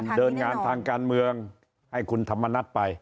เดินงานทางการเมืองให้คุณธรรมนัฏไป